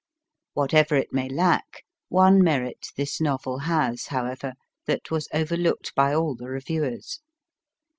Whatever it may lack, one merit this novel has, however, that was overlooked by all the reviewers.